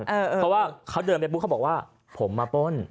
เพราะว่าเขาเดินไปปุ๊บเขาบอกว่าผมมาป้น